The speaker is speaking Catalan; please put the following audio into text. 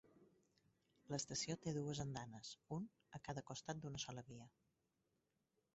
L'estació té dues andanes, un a cada costat d'una sola via.